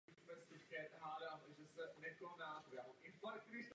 Rumunsko reprezentoval v devadesátých letech a na přelomu tisíciletí.